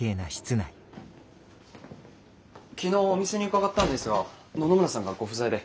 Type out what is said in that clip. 昨日お店に伺ったのですが野々村さんがご不在で。